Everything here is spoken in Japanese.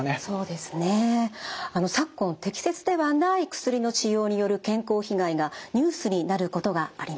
昨今適切ではない薬の使用による健康被害がニュースになることがあります。